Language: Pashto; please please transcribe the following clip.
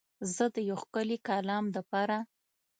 زه د یو ښکلی کلام دپاره